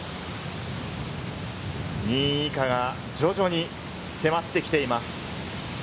２位以下が徐々に迫ってきています。